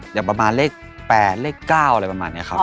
อย่างประมาณเลข๘เลข๙อะไรประมาณนี้ครับ